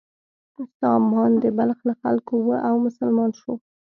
سامان د بلخ له خلکو و او مسلمان شو.